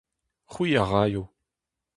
C'hwi a raio.